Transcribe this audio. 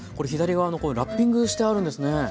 左側のこれラッピングしてあるんですね。